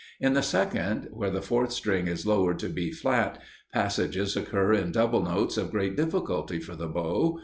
In the second, where the fourth string is lowered to B flat, passages occur in double notes of great difficulty for the bow.